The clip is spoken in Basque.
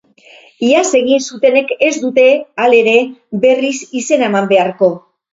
Iaz egin zutenek ez dute, halere, berriz izena eman beharko.